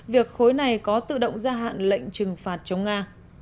việc khối này có tự động gia hạn lệnh trừng phạt chống nga